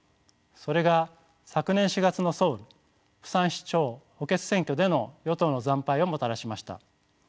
それが昨年４月のソウル釜山市長補欠選挙での与党の惨敗をもたらしました。